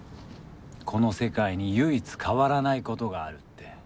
この世界に唯一変わらないことがあるって。